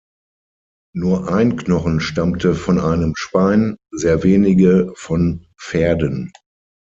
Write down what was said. Nur ein Knochen stammte von einem Schwein, sehr wenige von Pferden.